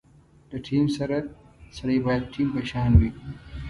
له ټیم سره سړی باید ټیم په شان وي.